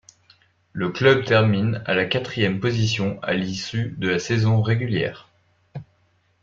Le club termine à la quatrième position à l'issue de la saison régulière.